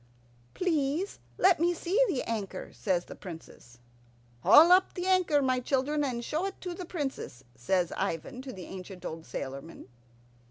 "Please let me see the anchor," says the Princess. "Haul up the anchor, my children, and show it to the Princess," says Ivan to the ancient old sailormen.